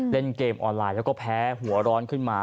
เล่นเกมออนไลน์แล้วก็แพ้หัวร้อนขึ้นมา